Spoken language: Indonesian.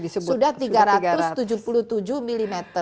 sudah tiga ratus tujuh puluh tujuh mm